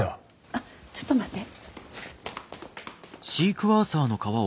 あっちょっと待って。